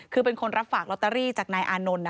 คือเป็นคนรับฝากลอตเตอรี่จากนายอานนท์